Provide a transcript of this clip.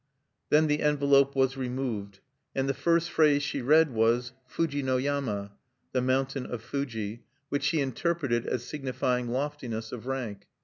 Then the envelope was removed; and the first phrase she read was Fuji no yama (the Mountain of Fuji), which she interpreted as signifying loftiness of rank.